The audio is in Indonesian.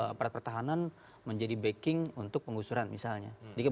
aparat pertahanan menjadi backing untuk penggusuran misalnya